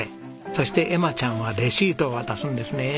そして瑛麻ちゃんはレシートを渡すんですね。